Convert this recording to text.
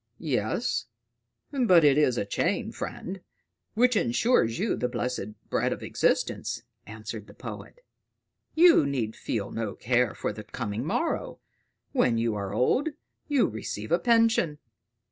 "Yes; but it is a chain, friend, which ensures you the blessed bread of existence," answered the poet. "You need feel no care for the coming morrow: when you are old, you receive a pension."